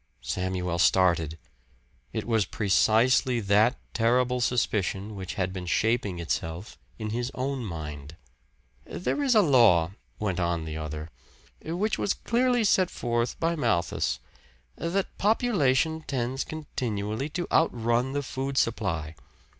Samuel started. It was precisely that terrible suspicion which had been shaping itself in his own mind. "There is a law," went on the other, "which was clearly set forth by Malthus, that population tends continually to outrun the food supply.